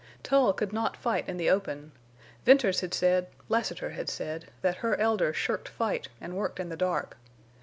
Tull could not fight in the open. Venters had said, Lassiter had said, that her Elder shirked fight and worked in the dark.